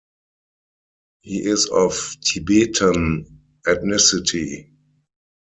He is of Tibetan ethnicity.